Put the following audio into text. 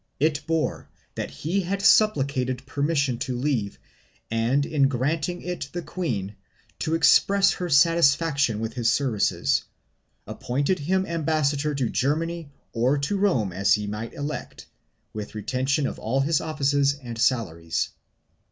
It bore that he had supplicated permission to leave and in granting it the queen, to exprees her satisfaction with his services, appointed him ambassador to Germany or to Rome as he might elect, with retention of all his offices and salaries.